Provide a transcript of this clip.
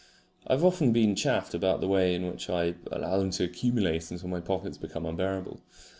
I have often been chaffed about the way in which I allow them to accumulate until my pockets become unbearable.